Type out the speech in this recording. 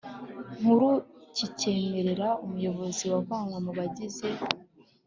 Nkuru kikemerera umuyobozi wavanwe mu bagize